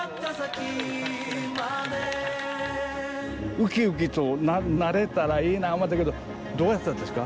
うきうきとなれたらいいな思ったけどどうやったですか？